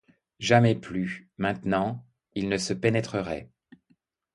Jamais plus, maintenant, ils ne se pénétreraient.